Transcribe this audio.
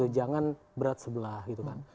jangan berat sebelah gitu kan